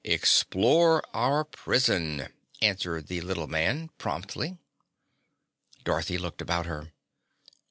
"Explore our prison," answered the little man promptly. Dorothy looked about her.